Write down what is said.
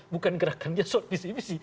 bukan gerakan dia soal pcvc